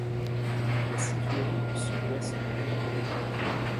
Elle est située au sud-ouest du pays.